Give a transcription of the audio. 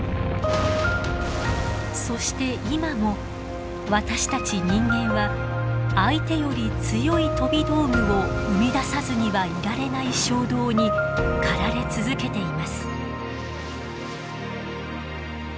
そして今も私たち人間は相手より強い飛び道具を生み出さずにはいられない衝動に駆られ続けています。